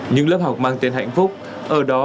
những lớp học mang tên hạnh phúc ở đó